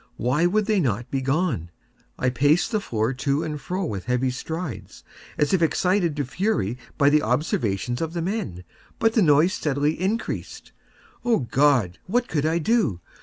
Why would they not be gone? I paced the floor to and fro with heavy strides, as if excited to fury by the observations of the men—but the noise steadily increased. Oh God! what could I do?